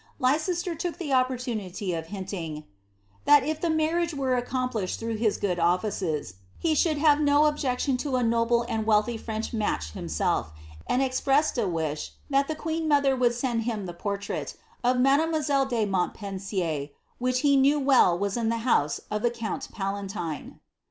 Leicester took the opportunity of hinting, ^^ that if the marriage were accom plished through his good ofhces, he should have no objection to a noble and wealthy French match himself, and expressed a wish that the queen mother would send him the portrait of niadenioiselle de Montpensiery which he knew well was in the house of the Count Palatine."